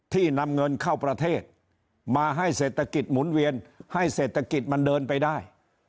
นำเงินเข้าประเทศมาให้เศรษฐกิจหมุนเวียนให้เศรษฐกิจมันเดินไปได้